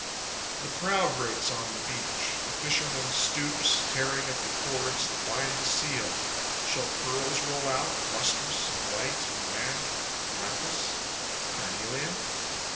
The prow grates on the beach. The fisherman Stoops, tearing at the cords that bind the seal. Shall pearls roll out, lustrous and white and wan? Lapis? carnelian?